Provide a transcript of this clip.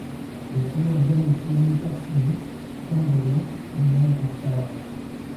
Les fleurs jaune crémeux parfumées font de long et vont par paires.